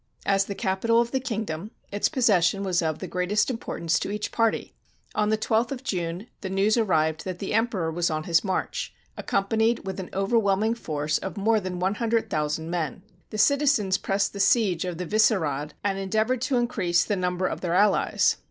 As the capital of the kingdom, its possession was of the greatest importance to each party. On the 12th of June the news arrived that the Emperor was on his march, accompanied with an overwhelming force of more than 100,000 men. The citizens pressed the siege of the Visse hrad, and endeavored to increase the number of their allies.